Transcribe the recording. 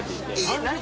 えっ何？